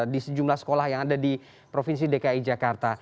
di sejumlah sekolah yang ada di provinsi dki jakarta